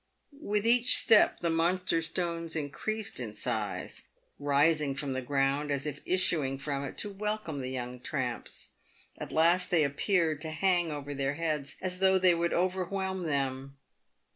With each step the monster stones increased in size, rising from the ground as if issuing from it to welcome the young tramps. At last they ap peared to hang above their heads, as though they would over whelm them.